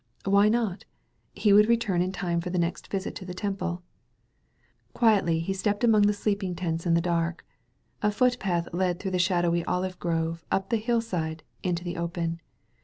Why not? He would return in time for the nest visit to the Tenq>le. Quietly he stepped among the sleeping tents in the dark. A footpath led through the shadowy olive grove» up the hiUside, into the opea.